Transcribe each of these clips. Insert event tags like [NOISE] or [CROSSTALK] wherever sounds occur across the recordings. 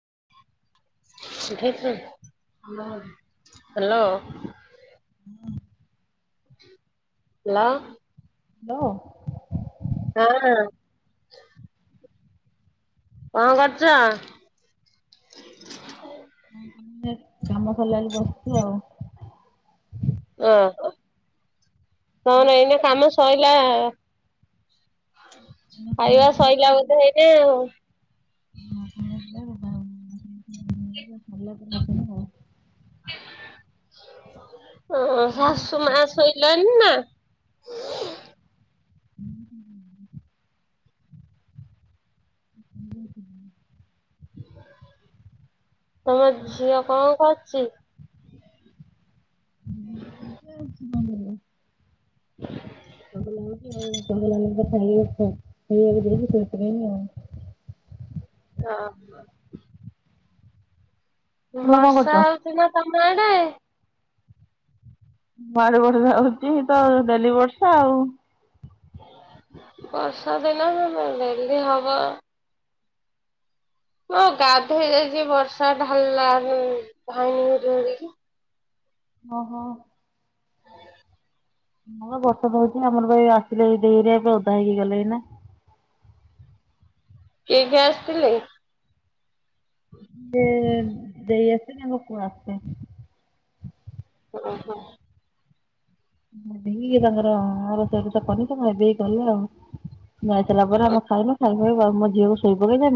[INAUDIBLE] [UNINTELLIGIBLE] Hello. ହୁ ଲା। ଲୋ। ହଁ। କଣ କରୁଚ? ହଁ କାମ ସଇଲା ବୋଲି ବସିଛୁ ଆଉ। ଅ ହ ତାମାନେ ଏଇନା ସରିଲା କାମ ସଇଲା। ଖାଇବା ସଇଲା ବୋଧେ ଏଇନେ ଆଉ? ପରେ ବସିବି ଆଉ [INAUDIBLE] ଆଁ ହ ତମର କଣ ଶାଶୁ କରୁଛ? ତମେ କଣ କରୁଛ? ଆମ ମା ଶୋଇଲାଣି ନା? ତମ ଝିଅ କଣ କରୁଚି? ହୁଁ ହୁ [UNINTELLIGIBLE] [INAUDIBLE] ସେଇଥିପାଇଁ ଆଉ। ହ [INAUDIBLE] ବର୍ଷା ହୋଉଚି ନା ତମ ଆଡ଼? ମାଡ ବଡ ଯାଉଚି ତ ଡେଲି ବର୍ଷା ଆଉ। ବର୍ଷା ଦିନ ଡେଲି ହବ। ହଁ ଗାଧେଇ ଯାଇଛି ବର୍ଷା ଢାଲିଲା ଧାଇ ଓ ହୋ। ହଁ ବର୍ଷା ଦ ହଉଛି ଆମର ଭାଇ ଆସିଲେ ଦେଇରି ଏବେ ଅଧା ହେଇକି ଗଲେ ଏଇନା କିଏ କିଏ ଆସିଥିଲେ? ଯେ ଦେଇ ଆସିଥିଲେ ମୋ ପୁଅ ଆସେ ଓ ହୋ। ବେ ତାଙ୍କର ଆର ସେ ପନଙ୍ଗ ବେ କଲ [INAUDIBLE] ଯାଇଥିଲା ପରେ ଆମେ ଖାଇନୁ ଖାଇନୁ ମୋ ଝିଅକୁ ଶୋଇ ପକେଇ ଦେ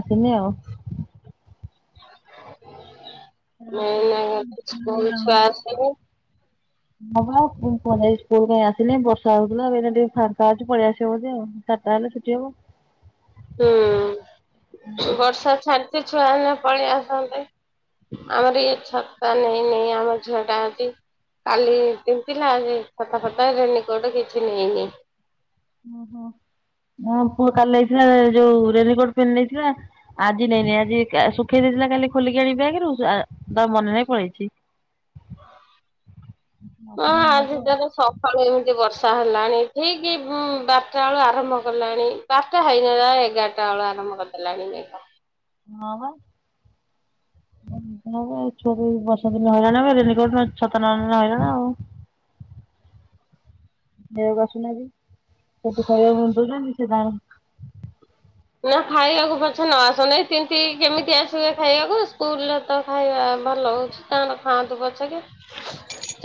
ଆସିନି ଆଉ। [UNINTELLIGIBLE] [UNINTELLIGIBLE] ହଁ ଏଇନା ସ୍କୁଲ ଛୁଆ ଆସିବେ ବା ଆଉ ମୁଁ କୁହନ ସ୍କୁଲ କ ଆସିଲି ବର୍ଷା ହଉଥିଲା ଏ ଏ ଟିକେ ଫାଙ୍କା ହ ଅଛି ପଳେଇଆ ଆସିବ ବୋଧେ ଆଉ ଚାରିଟା ହେଲେ ଛୁଟିି ହବ। ହୁଁ ବର୍ଷା ଛାଡ଼ିଛି ଛୁଆମାନେ ପଳେଇ ଆସନ୍ତି। ଆମର ଇଏ ଛତା ନେଇନି ଆମ ଝିଅଟା ଟା ଆଜି କାଲି ତିନ୍ତିଲା ଯେ ଛତା ଫତା ରେନିକୋଟ କିଛି ନେଇନି ଓ ହୋ। ମୋ ପୁଅ କାଲି ନେଇଥିଲା ଯୋଉ ରେନିକୋଟ ପିନ୍ଧ ନେଇଥିଲା ଆଜି ନେଇନି ଆଜି ଶୁଖେଇ ଦେଇ କାଲି ଖୋଲିକି ଆଣିକି ବେଗ ରୁ ଆ ତାର ମନେ ନାହିଁ ପଳେଇଛି। ହଁ ନବ ଆଜି ଆଉ। ତ ସକାଳୁ ଏମିତି ବର୍ଷା। ବର୍ଷା ହେଲାଣି ଠିକ ବାରଟା ବେଳ ଆରମ୍ଭ କଲାଣି ବାରଟା ହେଇନଲା ଏଗାରଟା ବେଳୁ ଆରମ୍ଭ ବନ୍ତ ହେଲାନି ମେଘ। ହଁ ବା। ଛ ବର୍ଷା ଦିନ ହେଇଲା ନା ରେନିକୋଟ ଛତା ନ ନେଲେ ହଇରାଣ ଆଉ। [UNINTELLIGIBLE] [INAUDIBLE] ଆସୁନି ଆଜି ସେଠି ଖାଇବାକୁ ଦଉନାହାନ୍ତି ସେ ତାର ନା ଖାଇବାକୁ ପଛେ ନ ଆସୁନାଇ ତିନ୍ତିକି କେମିତି ଆସିବେ ଖାଇବାକୁ ସ୍କୁଲରେ ତ ଖାଇବା ଭଲ ହଉଛି ତାଙ୍କର ଖାଆନ୍ତୁ ପଛ କେ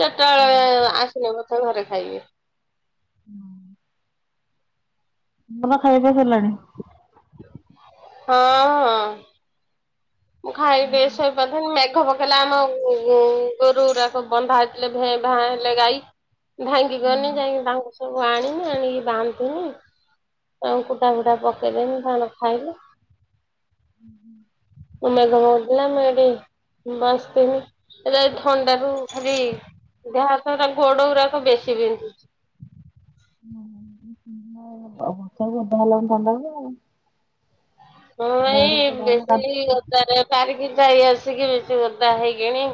ଚାଟାବେଳେ ଆସିଲେ ବଧେ ଘରେ ଖାଇବେ। ହଁ [INAUDIBLE] ତୁମର ଖାଇବା ସଇଲାଣି? ହଁ ହଁ। ଖାଇବେ ସେ ବୋଧେ ମେ ମେଘ ପକେଇଲା ଆମ ଗୋରୁ ଗୋରାକ ବନ୍ଧା ହେଇଥିଲେ ଭେ ଭାଁ ହେଲେ ଗାଈ। ଧାଇଁକି ଗଲି ଯାଇକି ତାଙ୍କ ସବୁ ଆଣି ଆଣିକି ବନ୍ଦିଲି। ଆ କୁଟା ଫୁଟା ପକେଇଦେମି [INAUDIBLE] ଖାଇଲେ। ହୁଁ ହୁଁ। ମେଘ ପକାଉଥିଲା ମୁଁ ଏଠି ବସିଥିଲି ଏରା ଏଇ ଥଣ୍ଡା ରୁ ଖାଲି ଦେହ ହାତ ଗୋଡ଼ା ଗୋରାକ ବେଶୀ ବିନ୍ଧୁଚି। ଓହୋ ବର୍ଷା କୁ ଓଦା ହେଲେ ଥଣ୍ଡା କୁ। ହଁ ଏଇ ବେଶି ଓଦା ରେ ବାହାରିକିରି ଯାଇ ଆସି କି ବେଶି ଓଦା ହେଇକିଣି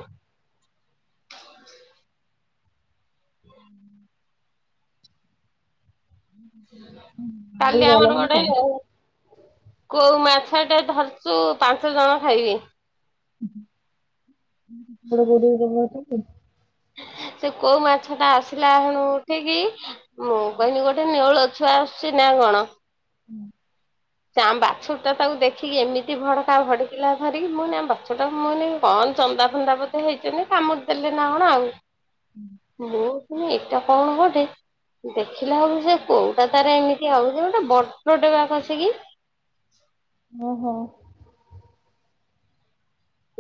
ବାହାରକୁ କାଲି ବାହାରିଲା ଆମର ମାନେ ଗୋଟେ ପାଣି କୋଉ ମାଛ ଟା ଧରିଚୁ ପାଞ୍ଚ ଜଣ ଖାଇବି। ବଡ଼ ବଡ଼। [UNINTELLIGIBLE] ସେ କୋଉ ମାଛ ଟା ଆସିଲା ହେଣୁ ଉଠିକି ମୁଁ କହିଲି ଗୋଟେ ନେଉଳ ଛୁଆ ଆସଚି ନା କଣ? ଉଁ ହୁଁ। ତା ଆମ ବାଛୁରି ଟା ତାକୁ ଦେଖିକି ଏମିତି ଭଡକା ଭଡିକିଲା ଧରିକି। ମୁଁ କଇଲି ଆମ ବାଛୁର ଟା ମୁଁ ନେଇ ହଁ ଜନ୍ଦା ଫନ୍ଦା ବୋଧେ ହେଇଚନ୍ତି କାମୁଡ଼ି ଦେଲେ ନା କଣ ଆଉ। ମୁଁ ତୁମେ ଏକ କଣ ଗୋଟେ ଦେଖିଲା ବେଳକୁ ସେ କୋଉ ଟା ତାର ଏମିତି ଆଉଚି ଗୋଟେ ବଡ଼ଟେ ପା କସିକି। ଓ ହୋ।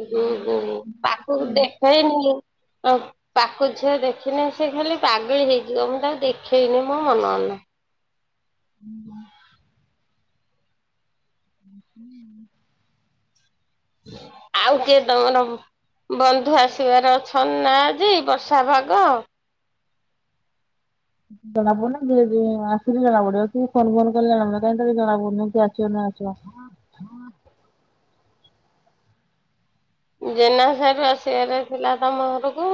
ଏ ଗୋ ଗୋ ପାକକୁ ଦେଖେଇନି। ଅଁ ପାକ ଝିଅ ଦେଖିନେ ସେ ଖାଲି ପାଗଳି ହେଇଯିବ। ମୁଁ ତାକୁ ଦେଖେଇନି ମୋ ମନ ନାଇଁ। [INAUDIBLE] ଉଁ ଉଁ। ଆଉ କେ ତମର ବନ୍ଧୁ ଆସିବାର ଅଛନ୍ ନା ଯେ ବର୍ଷା ପାଗ। ଜଣା ପଡ଼ିନି ଯିଏ ଯିଏ ଆସିଲେ ଜଣା ପଡିବ କି ଫୋନ୍ ଫୋନ୍ କଲେ ଜଣା ପଡିବ। କାହିଁ ତ କିଛି ଜଣା ପଡୁନି କିଏ ଆସିବ ନ ଆସିବ। ଜେନା ସାହେବ ଆସିବାର ଥିଲା ତମ ଘରକୁ।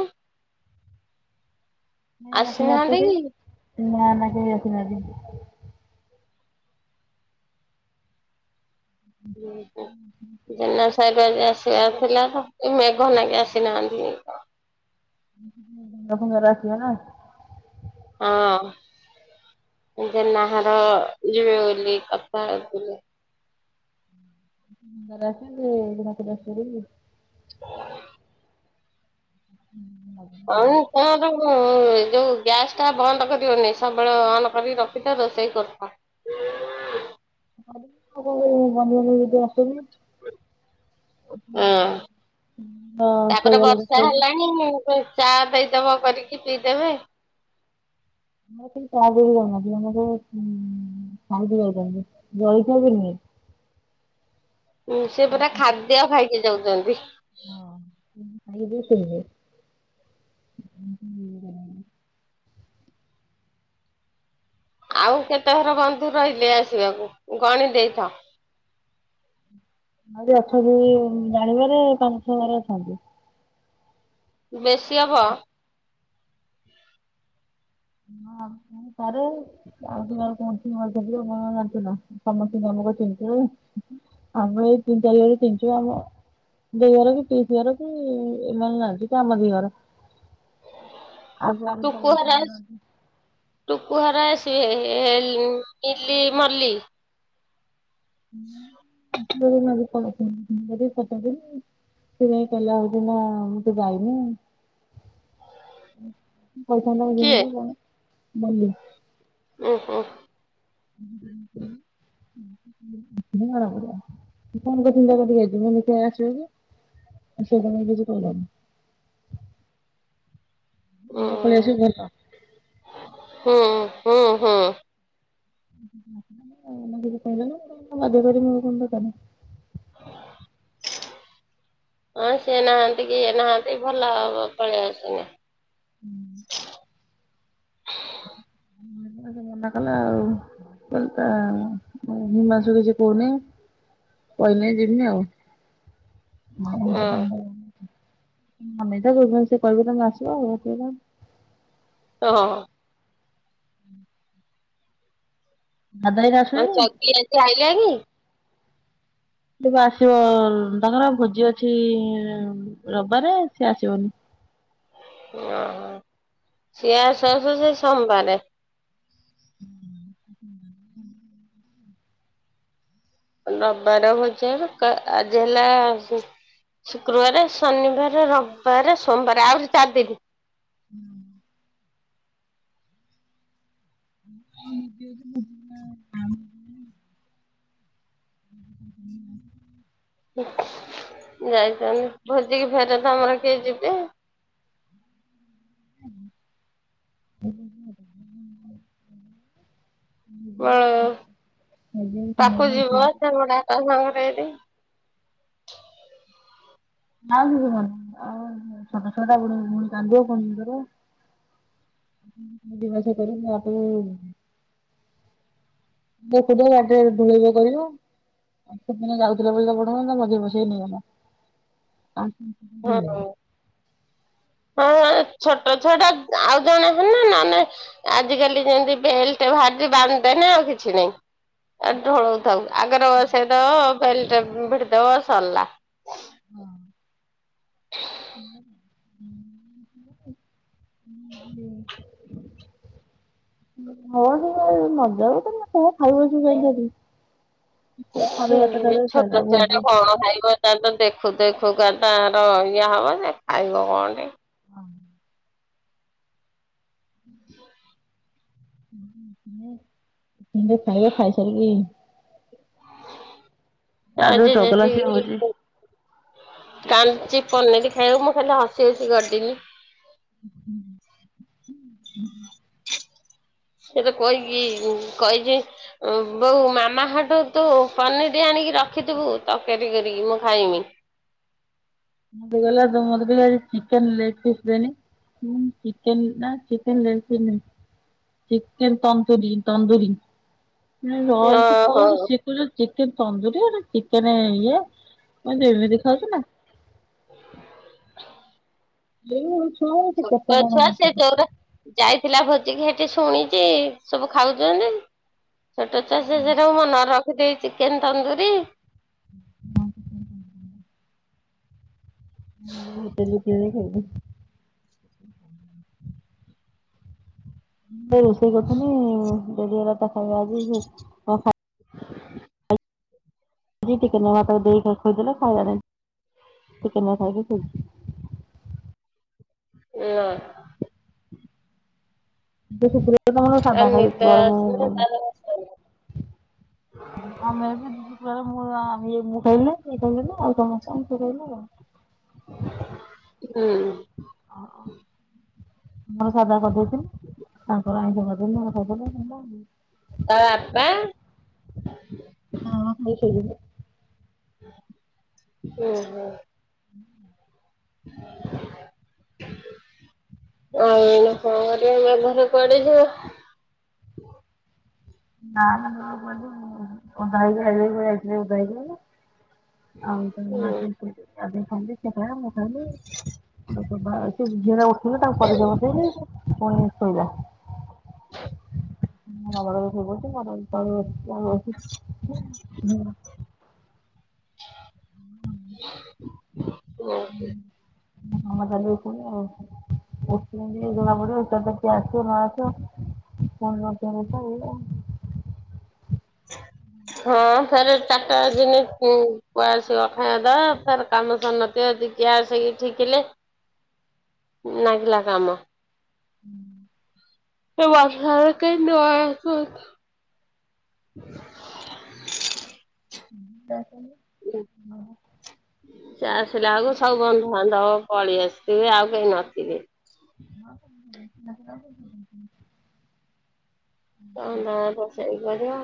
ନାଇଁ ଆସିନାହାନ୍ତି ତ କେହି ନା ନା କେହି ଆସିନାହାନ୍ତି। ଉଁ ହଁ ଜେନା ସାହେବ ଆଜି ଆସିବାର ଥିଲା ତ ମେଘ ନାଗି ଆସିନାହାନ୍ତି କି କଁ? ଡ଼ଙ୍ଗା ଫଙ୍ଗା ରେ ଆସିବେ ନା? ହଁ। ଜେନା ଘର ଯିବେ ବୋଲି କତା ବୁଲି ସେ ସୁନ୍ଦର ଆସେ ଯେ ଘୋଡ଼ା ଫୋଡ଼ା ଚଢ଼ି। [INAUDIBLE] ଆଉ କଣ ସବୁ ସେ ଯୋଉ ଗ୍ୟାସ ଟା ବନ୍ଦ କରିବନି ସବୁବେଳେ ଅନ କରି ରଖିଥା ରୋଷେଇ କରୁଥା। ଆଉ କ କଣ କରିବୁ [UNINTELLIGIBLE] ଗ୍ୟାସ୍ ସରି। ଅଁ ତା ପରେ ବର୍ଷା ହେଲାଣି। ଚା ଦେଇଦବ କରିକି ପିଇଦେବେ। ଆମର କେଇ ଚା ପିଇକି ଯାଉନାହାନ୍ତି ଆମର ସବୁ ଉଁ ଖାଇକି ଯାଉଚନ୍ତି ଜଳଖିଆ ବି ନୁହେଁ। ଉଁ ସେ ପୁରା ଖାଦ୍ୟ ଖାଇକି ଯାଉଚନ୍ତି। ହଁ ଉଁ ଖାଇ ପିଇ ଶୋଇବେ। [UNINTELLIGIBLE] ଆଉ କେତେଘର ବନ୍ଧୁ ରହିଲେ ଆସିବାକୁ ଗଣି ଦେଇଥା। ଆହୁରି ଅଛନ୍ତି ଜାଣିବାରେ ପାଞ୍ଚ ଛ ଘର ଅଛନ୍ତି। ବେଶି ହବ। ହଁ ଥାଇ ପାରେ ଆଉ କି କାର କଣ ଥିବ [UNINTELLIGIBLE] ମୁଁ ଆଉ ଜଣିଚି ନା ସମସ୍ତଙ୍କି ଆମେ। ଆମେ ଚିନିଥିଲୁ ଆମେ ଏଇ ତିନି ଚାରି ଘରକୁ ଚିନ୍ ଚୁ ଆମ ଦେଇ ଘର କି ପିଇସି ଘର କି ଏମାନେ ନାଆଁନ୍ତି ତମ ଦି ଘର। ଆଗ ଆମ ସମସ୍ତିଙ୍କର [UNINTELLIGIBLE] ଉହାରେ ଆସିବେ ଏଲ ଇଲି ମଲ୍ଲୀ [UNINTELLIGIBLE] [UNINTELLIGIBLE] ସେ ହେଇ କହିଲା ହଉଚି ନା ମୁଁ ତ ଯାଇନି। ପଇସା ହେଲେ କିଏ କି କଣ ମଲ୍ଲୀ ଉଁ ହୁଁ । ହୁଁ ହୁଁ ହୁଁ ହୁଁ। [UNINTELLIGIBLE] ଆସିବେକି ସେଦିନ ବି କିଛି କହିଲାନି। ଉଁ ଏଇନେ ପଲେଇ ଆସିବୁ ଭଲ। ହୁଁ ହୁଁ ହୁଁ। [UNINTELLIGIBLE] ବାଧ୍ୟ କରିବି ମୋର କଣ ଦକାର ହଁ ସିଏ ନାହାନ୍ତି କି ଇଏ ନାହାନ୍ତି ଭଲ ହବ ପଳେଇ ଆସୁ ଏନା। [UNINTELLIGIBLE] ମନା କଲେ ଆଉ [UNINTELLIGIBLE] ତା ହିମାଂଶୁ କିଛି କହୁନି କହିଲେ ଜିମି ଆଉ ଆ ହଉ ତାହେନେ [UNINTELLIGIBLE] ଅନେଇଥା ସେ କଁ ସେ କିହିବେ ତମେ ଆସିବ ଆଉ [UNINTELLIGIBLE] ଓ ହ। ଭାଇ ଆଉ ଆସିଲେଣି ଚଗି ଆଜି ଆଇଲାକି? ତବେ ଆସିବ ତାଙ୍କର ଭୋଜି ଅଛି ରବବାରେ ସେ ଆସିବନି। ଓହୋ ସିଏ ଆସୁ ଆସୁ ସେ ସୋମବାରେ। ରବାରେ ଭୋଜି ହେଲେ କା ଆଜି ହେଲା ସ ଶୁକ୍ରବାର ଶନିବାରେ ରବିବାରେ ସୋମବାରେ ଆହୁରି ଚାରି ଦିନି। ହୁଁ। [UNINTELLIGIBLE] [UNINTELLIGIBLE] ଯାଇଛନ୍ତି ଭୋଜିିକି ଫେର ତ ଆମର କିଏ ଯିବେ ହୁଁ [UNINTELLIGIBLE] ବ ସେ ତାକୁ ଯିବ ସେ ବଡାପା ସାଙ୍ଗରେ ଫେରି ନା ଆଉ ସେ ଯିବନି ଆଉ ଛୋଟ ଛୁଆଟା ଫୁଣି ଫୁଣି କାନ୍ଦିବ ଫୁଣି ଇଏ କରିବ ଦି ମାସେ କରିବ [UNINTELLIGIBLE] [UNINTELLIGIBLE] ଗାଧେଇ ଗୁଧେଇକି କରିବ ସେଦିନ ଯାଉଥିଲେ ବୋଲି ତା ବଡ଼ ମା ତା ମଝିରେ ବସେଇ ନେଇଗଲା କାନ୍ଦ ହଁ ହଁ। ହଁ ଛୋଟ ଛୁଆଟା ଆଉ ଜଣେ ହେନେ ନହେନେ ଆଜିକାଲି ଯେମତି ବେଲ୍ଟ ବାହାର ହେଟି ବାନ୍ଧଦେନେ ଆଉ କିଛି ନାଇଁ ଏ ଢୋଳୋଉ ଥାଉ। ଆଗରେ ବସେଇଦବ ବେଲ୍ଟ ଭିଡି ଦବ ସରଲା। ହଁ। ହଁ ହଁ ହଁ ହଉ ସେ ନଯାଉ [UNINTELLIGIBLE] ସିଏ ଛୋଟ ଛୁଆ ଭୋଜି ଟା କଣ ଖାଇବ [UNINTELLIGIBLE] ଦେଖୁ ଦେଖୁ ସୁୁଗାର ତାଙ୍କର ଇଏ ହେବଯେ ଖାଇବ କଣ ଟେ ହୁଁ ଇନ୍ତି ଖାଇବ ଖାଇ ସାର କି ଯୋଉ ଆଜି ଚଗଲା ସିଏ ଯେତିକି ହଉଛି। ପୁ କାଞ୍ଚି ପନିରି ଖାଇବ ମୁଁ ଖାଲି ହସି ହସି ଗଡିନି। ହଁ ହ ହ ସେଟା କହିକି କହିଛି, ବୋଉ ମାମା ହଟୁ ତୁ ପନିର ଆଣି ରଖିଥିବୁ, ତରକାରୀ କରିକି ମୁଁ ଖାଇମି। ହେଇଗଲା, ତୁ ମତେ ଟିକେ ଆଜି ଚିକେନ୍ ଲେଗ୍ ପିସ୍ ଦେନି। ହୁଁ। ଚିକେନ୍ ନା ଚିକେନ ଲେଳସିିନି? ଚିକେନ ତନ୍ଦୁରୀ, ତନ୍ଦୁରୀ। ହେ ହଁ ରହଲୋ ତୁ କୋଉଠୁ ହଉ ଶିଖୁଚୁ? ଚି କେନ୍ ତନ୍ଦୁରୀଆ ଚିକେନେ ଇଏ, ମୁଁ କହିଲି ତୁ ଏମିତି ଖାଉଛୁ ନା। ସେଇ ହଉଚି ଛୋଟଛୁଆ ସେ ଜୋର ଯାଇ ଥିଲା ଭୋଜିିକି ହେଠି ଶୁଣିଚି, ସବୁ ଖାଉଛନ୍ତି ଯେ ଛୋଟଛୁଆ ସିଏ ସେଇଟାକୁ ମନରେ ରଖିଦେଇ, ଚିକେନ ତନ୍ଦୁୁରୀ ହଁ। ମୁଁ ହୋଟେଲରୁ କିଣି ଖାଇବି। ମୁଁ ଏଇ ରୋଷେଇ କରୁଥିନି ଡେରି ହେଲା ତ ଖାଇବା ଆଜି, ସେଇ କଣ ଖାଇ [INAUDIBLE] ଜି ଟିକେ ନଗା ତାକୁ ଦେଇକି ଥୋଇଦେଲା, ଖାଇଲା ନେଇଁ। ଟିକେ ନାଗୁ ଖାଇକି ଶୋଇଚି। ନାଁ। ଆଜି ଶୁକ୍ରବାର ତମର ତା ସାଧା ଖାଇବ। ନିଦ ଗରମ ଆସିଲେ ଆମେ ତାର ଏବେ ଦୁଇ ଶୁକ୍ରବାର ମୁଁ ଆ ଇଏ ମୁଁ ଖାଇଲୁନେଇଁ। ଆଉ କଣ କହିଲ? ଆଉ କଣ [UNINTELLIGIBLE] ହୁଁ। [UNINTELLIGIBLE] ମୋର ସାଧା କରିଦେଇଥିଲି। ତାଙ୍କର ଆାଇଁଷ କରିଦେଲି ଖାଇଦେଲୁ ହେଲା ଆଉ। ତା ବାପା? ହଁ, ଖାଇକି ଶୋଇପଡ଼ିବୁ। ଓହୋ। [INAUDIBLE] ଆଉ କଣ? କଣ କରିବା ମ ଘରେ ପଡିଯିବ। ହ [INAUDIBLE] ନାଁ ନାଁ ମୁଁ କହିଲି କୁଆଡ଼େ ଯିବୁ, ଓଦା ହେଇକି ଖାଇଲେ ବି କୁଆଡ଼େ ଯାଇଥିଲେ ଓଦା ହେଇକି ଆଇଲେ। ଆଉ ସେଇନୁ ଆସିକି ଶୋଇପଡ଼ିଚି। ଗାଧେଇକି ଖାଇଲି ସିଏ ଖାଇଲା ମୁଁ ଖାଇଲି। ସେ ଝିଅଟା ଉଠିବ ତାକୁ [UNINTELLIGIBLE] ବସେଇଲି ପୁଣି ଶୋଇଲା। [INAUDIBLE] [UNINTELLIGIBLE] [UNINTELLIGIBLE] ନଅଟାରେ ଉଠୁଚି ଆଉ। ଉଠୁଚନ୍ତି ଜଣା ପଡିବ, ଏକାଥରେ କିଏ ଆସିବ ନ ଆସିବ? [UNINTELLIGIBLE] [INAUDIBLE] ହଁ। ଫେରେ ଚାରଟା ବାଜିନି ପୁଅ ଆସିବ ଖାଇଆକୁ ଦବ, ଫେର କାମ ସରିନଥିବ ଖାଲି ଗ୍ୟାସ ଇଠି ଥିଲେ ହଁ [INAUDIBLE] ନାଗିଲା କାମ। ହୁଁ [INAUDIBLE] ଏ ବର୍ଷାରେ କେଣ୍ଟି ପଏଇବ ସ୍କୁଲକୁ। [INAUDIBLE] ତା ସାଙ୍ଗରେ ସିଏ ଆସିଲାକୁ ସବୁ ବନ୍ଧବାନ୍ଧବ ପଳେଇ ଆସିଥିବେ, ଆଉ କେହି ନଥିବେ। [UNINTELLIGIBLE] ତମ ନା ରୋଷେଇ କରିବ।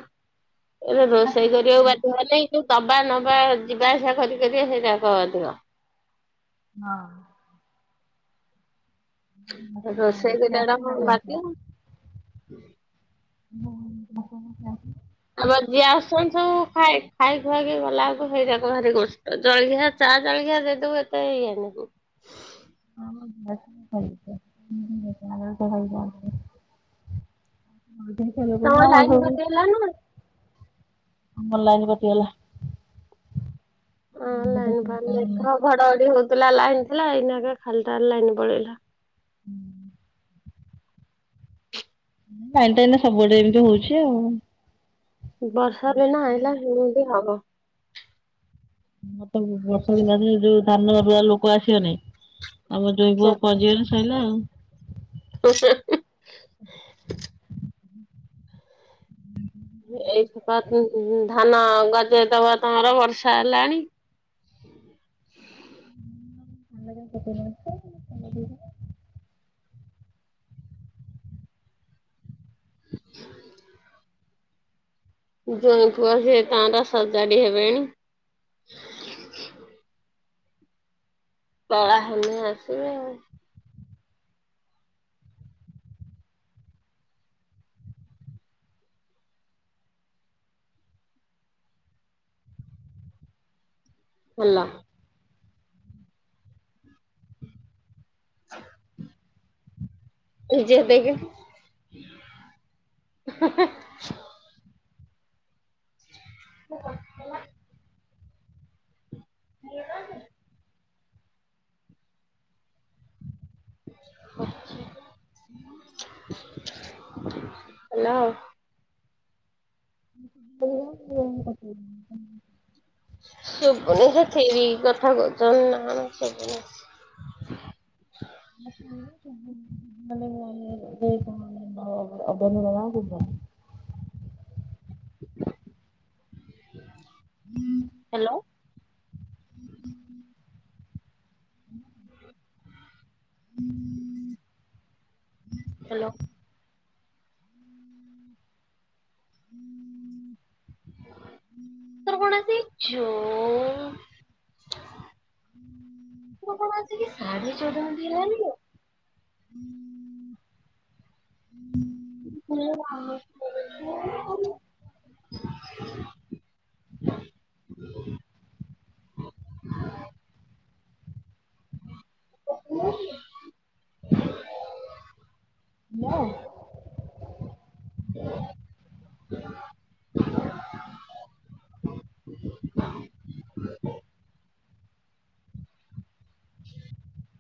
ଏବେ ରୋଷେଇ କରିବାକୁ ବାଧ୍ୟ ହେଲି। ଯୋଉ ଦ ବା ନବା ଯିବା ଆସିବା କରି କରି ସେଇରାକ ଅଧିକ। ହଁ। ରୋଷେଇ ବି ସିଆଡେ ବାକି [INAUDIBLE] ଆମର ଯିଏ ଆସନ୍ତୁ ଖାଏ ଖାଏ ଜ୍ୱାଇଁ ହେକା ଗଲା ଆକୁ ହେଇଯାକ ଭାରି କଷ୍ଟ, ଜଳଖିଆ ଚା ଜଳଖିଆ ଦେଇଦବୁ ଏତେ ଇଏ ନବୁ [UNINTELLIGIBLE] [UNINTELLIGIBLE] ଆମର ତମ ଲାଇନ ସବୁ। କଟିଗଲା ନା? ଆମ ଲାଇନ କଟିଗଲା। ହଁ ଲାଇନ ଫାଇନ ଦେଖ, ଘଡଘଡି ହଉ ଥିଲା ଲାଇନ ଥିଲା ଏଇନାକେ ଖାଲିଟାରେ ଲାଇନ ପଳେଇଲା। ହୁଁ ଲାଇନଟା ଏଇନା ସବୁଆଡେ ଏମିତି ହେଉଛି ଆଉ। ବର୍ଷାଦିନ ଆଇଲା ହେମିତି ହବ। [UNINTELLIGIBLE] ବର୍ଷାଦିନ ଆସିଲେ ଯୋଉ ଧାନରୁଆ ଲୋକ ଆସିବେନେଇ ଆମ ସେ ଜ୍ୱାଇଁପୁଉ ପହଞ୍ଚିଗଲେ ସଇଲା ଆଉ। [UNINTELLIGIBLE] ଏଇ ସକା [UNINTELLIGIBLE] ଧାନ ଗଜେଇଦେବ ।ତମର ବର୍ଷା ହେଲାଣି? [INAUDIBLE] [UNINTELLIGIBLE] ଜ୍ୱାଇଁପୁଅ ସେ ତାଙ୍କର ସଜାଡି ହେବେଣି। କଳା ହେଲେ ଆସିବେ ଆଉ। ଭଲ। [UNINTELLIGIBLE] [UNINTELLIGIBLE] [UNINTELLIGIBLE] [UNINTELLIGIBLE] [INAUDIBLE] ହେଲା ଆଉ। [UNINTELLIGIBLE] ଶୁଭୁନି ଯେ [UNINTELLIGIBLE] କଥା କହୁଛନ୍ତି ନା ନା ଶୁଭୁନି। [UNINTELLIGIBLE] [UNINTELLIGIBLE] [INAUDIBLE] ହେଲୋ। ହେଲୋ। ତୋର କଣ ଆସି ଜୋ ତୋର କଣ ଆସିକି ସାଢ଼େ ଛଟା ବାଜିଗଲାଣି? [UNINTELLIGIBLE] [INAUDIBLE] [UNINTELLIGIBLE] [UNINTELLIGIBLE] ହ୍ୟାଲୋ। [UNINTELLIGIBLE] [INAUDIBLE] [INAUDIBLE]